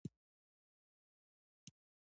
تیمورشاه پر هند لښکرکښي وکړه.